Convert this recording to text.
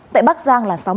tại bắc giang là